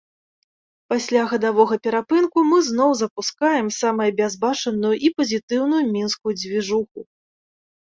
Пасля гадавога перапынку мы зноў запускаем самае бязбашанную і пазітыўную мінскую дзвіжуху!